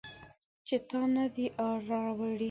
چې تا نه دي راوړي